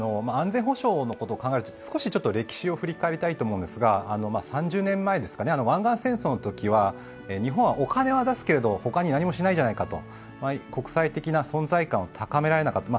安全保障のことを考えるとき歴史を振り返りたいんですが３０年前、湾岸戦争のときは日本はお金は出すけれども、他に何もしないじゃないかと国際的な存在感を高められなかった。